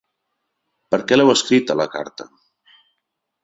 Per què l’heu escrita, la carta?